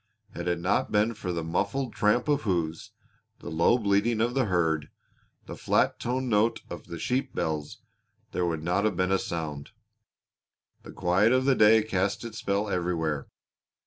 Had it not been for the muffled tramp of hoofs, the low bleating of the herd, the flat toned note of the sheep bells, there would not have been a sound. The quiet of the day cast its spell everywhere.